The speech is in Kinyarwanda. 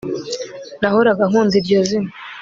Nahoraga nkunda iryo zina